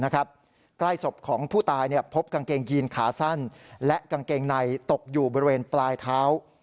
ใกล้ศพของผู้ตายพบกางเกงยีนขาสั้นและกางเกงในตกอยู่บริเวณปลายเท้า